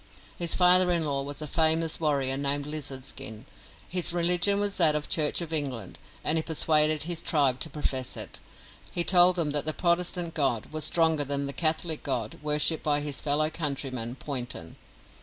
His father in law was a famous warrior named Lizard Skin. His religion was that of the Church of England, and he persuaded his tribe to profess it. He told them that the Protestant God was stronger than the Catholic God worshipped by his fellow countryman, Poynton.